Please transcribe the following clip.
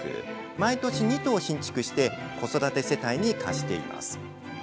毎年２棟新築して子育て世帯に貸しています。